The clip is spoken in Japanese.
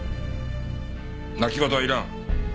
泣き言はいらん。